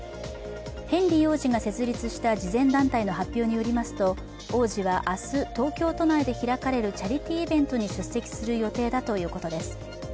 ヘンリー王子が設立した慈善団体の発表によりますと王子は明日、東京都内で開かれるチャリティーイベントに出席する予定だということです。